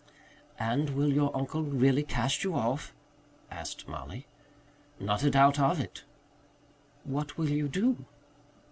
"And will your uncle really cast you off?" asked Mollie. "Not a doubt of it." "What will you do?"